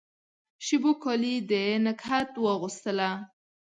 شېبو کالي د نګهت واغوستله